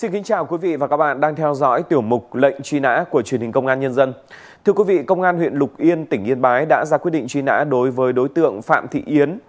thưa quý vị công an huyện lục yên tỉnh yên bái đã ra quyết định truy nã đối với đối tượng phạm thị yến